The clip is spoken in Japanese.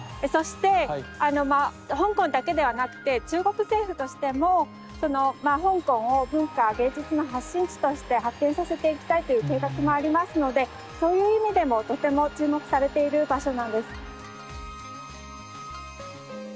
そして香港だけではなくて中国政府としても香港を文化芸術の発信地として発展させていきたいという計画もありますのでそういう意味でもとても注目されている場所なんです。